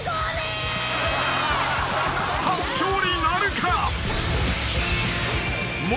［初勝利なるか？］